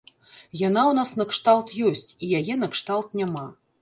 Яна ў нас накшталт ёсць, і яе накшталт няма.